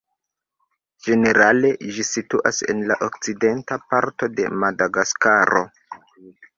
Ĝenerale, ĝi situas en la okcidenta parto de Madagaskaro.